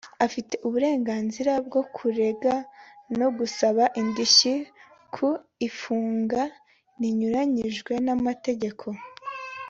afite uburenganzira bwo kurega no gusaba indishyi ku ifunga rinyuranyije n’amategeko